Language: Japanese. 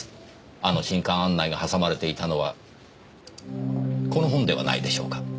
あの新刊案内がはさまれていたのはこの本ではないでしょうか？